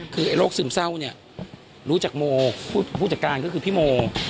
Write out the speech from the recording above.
คือไอโรคซึมเศร้าเนี่ยรู้จักโมผู้จัดการก็คือพี่โม